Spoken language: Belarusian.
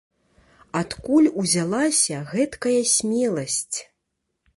Адкуль узялася гэткая смеласць?